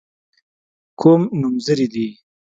کوم نومځري دي.